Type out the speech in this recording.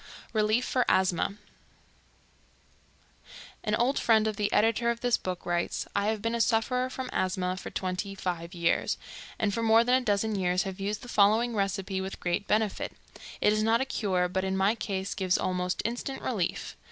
Relief for Asthma. An old friend of the editor of this book writes: "I have been a sufferer from asthma for twenty five years, and for more than a dozen years have used the following recipe with great benefit. It is not a cure, but in my case gives almost instant relief.